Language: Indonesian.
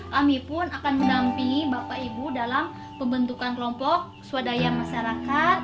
kami pun akan mendampingi bapak ibu dalam pembentukan kelompok swadaya masyarakat